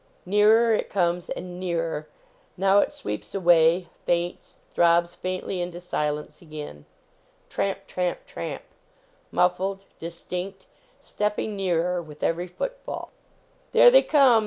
Nearer it comes; and nearer; now it sweeps away ; faints ; throbs faintly into silence again. Tramp, tramp, tramp. Muffled; distinct; stepping nearer with every footfall. " There they come!"